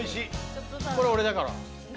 これ俺だから。